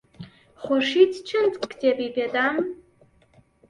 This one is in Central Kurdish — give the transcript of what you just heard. خورشید چەند کتێبێکی پێدام.